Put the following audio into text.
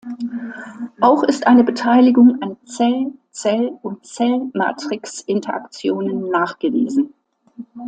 Auch ist eine Beteiligung an Zell-Zell- und Zell-Matrix-Interaktionen nachgewiesen.